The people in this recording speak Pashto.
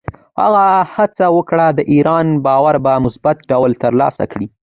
هغه هڅه وکړه، د ایران باور په مثبت ډول ترلاسه کړي.